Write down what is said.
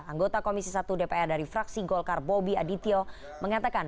anggota komisi satu dpr dari fraksi golkar bobby adityo mengatakan